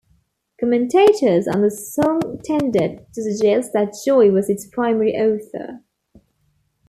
Commentators on the song tended to suggest that Joey was its primary author.